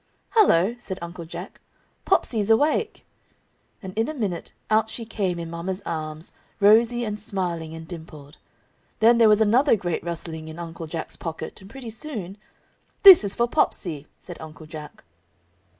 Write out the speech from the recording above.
"Hello!" said Uncle Jack, "Popsey's awake!" And in a minute, out she came in mama's arms, rosy, and smiling, and dimpled. Then there was another great rustling in Uncle Jack's pocket, and pretty soon "This is for Popsey!" said Uncle Jack.